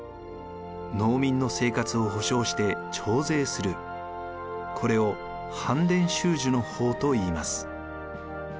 農民の生活を保障して徴税するこれを班田収授法といいます。